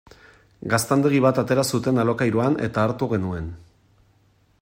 Gaztandegi bat atera zuten alokairuan eta hartu genuen.